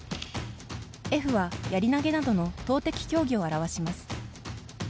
Ｆは、やり投げなどの投てき競技を表します。